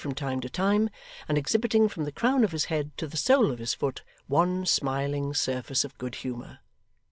from time to time, and exhibiting from the crown of his head to the sole of his foot, one smiling surface of good humour.